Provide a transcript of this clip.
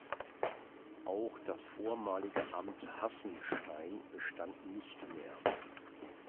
Auch das vormalige Amt Hassenstein bestand nicht mehr.